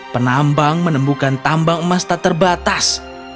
penambang menemukan tambang emas tak terbatas